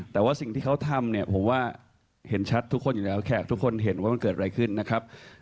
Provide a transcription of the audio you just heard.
แต่ว่าสิ่งที่เขาทำเนี่ยผมว่าเห็นชัดทุกคนอยู่แล้วแขกทุกคนเห็นว่ามันเกิดอะไรขึ้นนะครับ